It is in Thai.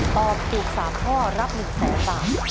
ตอบถูก๓ข้อรับ๑๐๐๐บาท